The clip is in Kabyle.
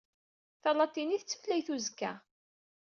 Talatinit d tutlayt n uzekka!